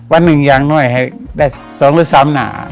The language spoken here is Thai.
วันหนึ่งยางหน่อยให้ได้สองหรือสามหน่า